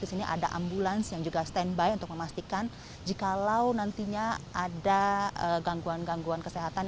di sini ada ambulans yang juga standby untuk memastikan jikalau nantinya ada gangguan gangguan kesehatan